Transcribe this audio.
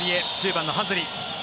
１０番のハズリ。